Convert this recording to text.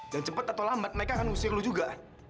dan cepat atau lambat mereka akan usir lu juga